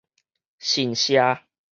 神社